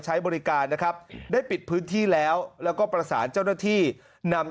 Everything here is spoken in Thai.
ใช้บริการนะครับได้ปิดพื้นที่แล้วแล้วก็ประสานเจ้าหน้าที่นำ